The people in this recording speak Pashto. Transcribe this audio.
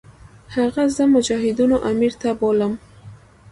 هغه زه مجاهدینو امیر ته بوتلم.